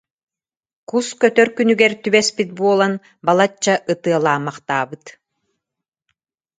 Кус көтөр күнүгэр түбэспит буолан, балачча ытыалаамахтаабыт.